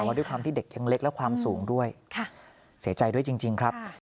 แล้วด้วยความที่เด็กยังเล็กและความสูงด้วยเสียใจด้วยจริงครับ